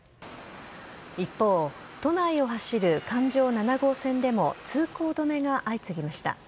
一方、都内を走る環状７号線でも通行止めが相次ぎました。